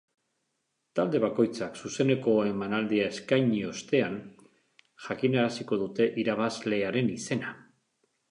Talde bakoitzak zuzeneko emanaldia eskaini ostean jakinaraziko dute irabazlearen izena.